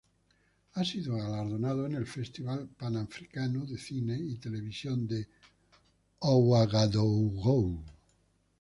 Ha sido galardonado en el Festival Panafricano de Cine y Televisión de Ouagadougou.